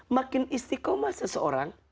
makin istiqomah seseorang